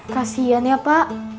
kasian ya pak